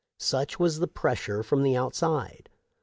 Such was the pressure from the outside.